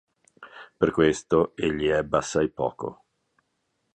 Per questo egli ebbe assai poco".